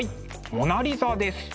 「モナ・リザ」です。